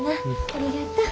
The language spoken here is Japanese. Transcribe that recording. ありがとう。